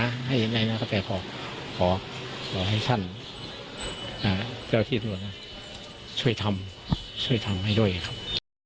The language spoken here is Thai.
และอยากจะขอให้เจ้าชีวิตรวรรษช่วยทำให้ด้วยครับ